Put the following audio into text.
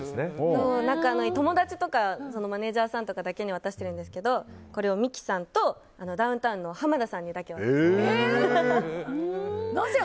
仲のいい友達とかマネジャーさんとかだけに渡してるんですけどこれをミキさんとダウンタウンの浜田さんにだけ渡してます。